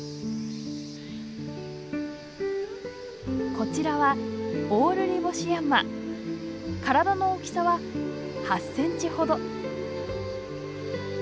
こちらは体の大きさは８センチほど。